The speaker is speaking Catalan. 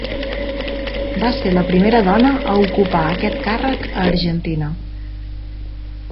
Va ser la primera dona a ocupar aquest càrrec a Argentina.